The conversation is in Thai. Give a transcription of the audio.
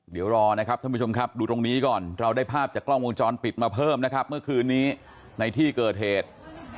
เดี๋ยวรอนะครับท่านผู้ชมครับดูตรงนี้ก่อนเราได้ภาพจากกล้องวงจรปิดมาเพิ่มนะครับเมื่อคืนนี้ในที่เกิดเหตุ